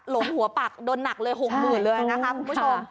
หลงหัวปากโดนหนักเลยโหงหมื่นเลยนะคะคุณผู้ชมค่ะ